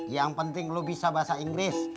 yang penting lu bisa bahasa inggris